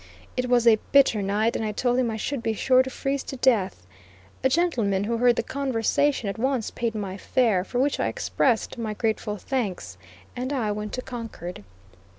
It was a bitter night and I told him I should be sure to freeze to death. A gentleman who heard the conversation at once paid my fare, for which I expressed my grateful thanks, and I went to Concord.